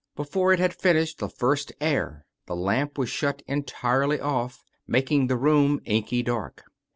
Before it had finished the first air the lamp was shut entirely oflF, making the room inky dark.